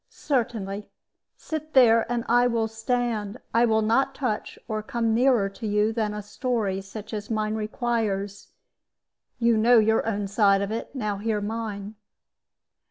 "Certainly. Sit there, and I will stand. I will not touch or come nearer to you than a story such as mine requires. You know your own side of it; now hear mine.